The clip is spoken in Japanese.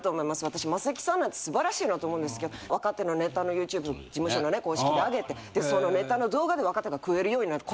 私マセキさんなんか素晴らしいなと思うんですけど若手のネタのＹｏｕＴｕｂｅ事務所のね公式であげてそのネタの動画で若手が食えるようになる。